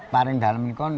paling dalam ini kan